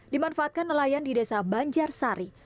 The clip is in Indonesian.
dimanfaatkan nelayan di desa banjar sari